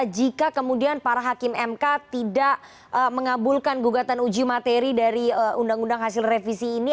jika kemudian para hakim mk tidak mengabulkan gugatan uji materi dari undang undang hasil revisi ini